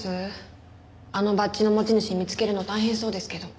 あのバッジの持ち主見つけるの大変そうですけど。